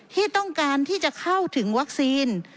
ที่ต้องการที่จะเข้าถึงวัคซีน